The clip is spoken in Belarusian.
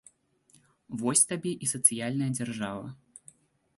Вось табе і сацыяльная дзяржава!